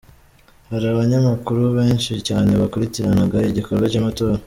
Hari abanyamakuru benshi cyane bakurikiranaga igikorwa cy'amatora.